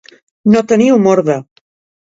No tenir humor de.